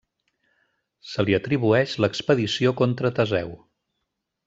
Se li atribueix l'expedició contra Teseu.